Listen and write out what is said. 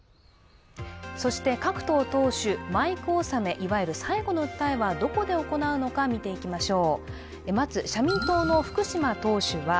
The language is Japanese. そして各党党首、マイク納め、最後の訴えはどこで行うのか見ていきましょう。